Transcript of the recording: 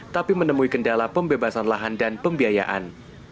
tapi menemui kendala pembebasan lahan dan pembiayaan